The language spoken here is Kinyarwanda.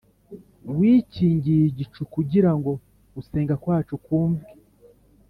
Wikingiye igicu Kugira ngo gusenga kwacu kumvwe